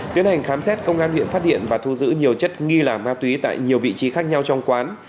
tiến hành khám xét công an huyện phát hiện và thu giữ nhiều chất nghi là ma túy tại nhiều vị trí khác nhau trong quán